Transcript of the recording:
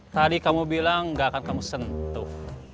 tadi kamu bilang gak akan kamu sentuh